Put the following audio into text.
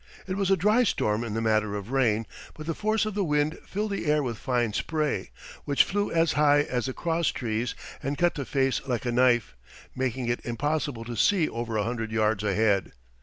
It was a dry storm in the matter of rain, but the force of the wind filled the air with fine spray, which flew as high as the crosstrees and cut the face like a knife, making it impossible to see over a hundred yards ahead.